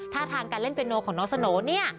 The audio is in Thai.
ท่าทางการเล่นเปโนของน้องสโนเนี่ย